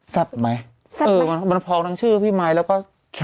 แซ่บไหมแซ่บไหมเออมันพร้อมทั้งชื่อพี่ไหมแล้วก็ใช่